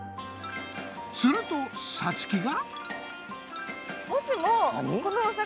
するとさつきが。